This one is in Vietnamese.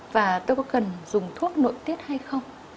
và tôi có cần dùng thuốc nội tiết hay không